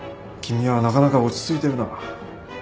君はなかなか落ち着いてるな。